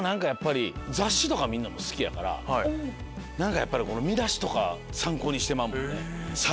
雑誌とか見るのも好きやからやっぱり見出しとか参考にしてまうもんね。